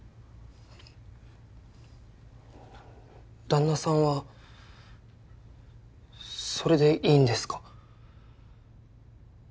旦那さんはそれでいいんですか？